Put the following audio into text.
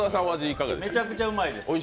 めちゃくちゃうまいです。